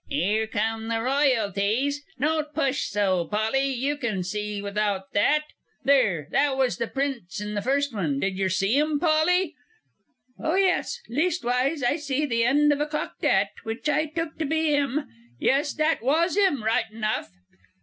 'Ere come the Royalties. Don't push so, Polly, you can see without that!... There, that was the Prince in the first one did yer see him, Polly? Oh, yes, leastwise I see the end of a cocked 'at, which I took to be 'im. Yes, that was 'im right enough....